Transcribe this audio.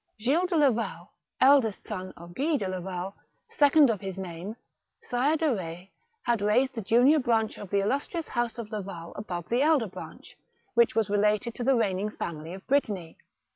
Gilles de Laval, eldest son of Guy de Laval, second of his name. Sire de Retz, had raised the junior branch of the illustrious house of Laval above the elder branch, which was related to the reigning family of Brittany.